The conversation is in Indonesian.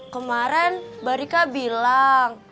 kemaren mbak rika bilang